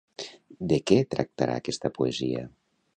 De què tractarà aquesta poesia?